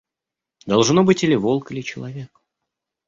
Должно быть, или волк, или человек».